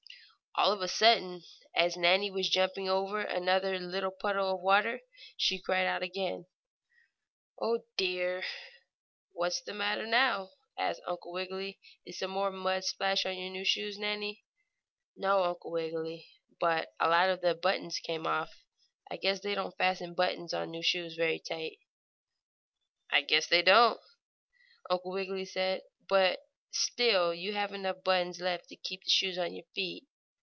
All of a sudden, as Nannie was jumping over another little puddle of water, she cried out again: "Oh, dear!" "What's the matter now?" asked Uncle Wiggily. "Did some more mud splash on your new shoes, Nannie?" "No, Uncle Wiggily, but a lot of the buttons came off. I guess they don't fasten buttons on new shoes very tight." "I guess they don't," Uncle Wiggily said. "But still you have enough buttons left to keep the shoes on your feet.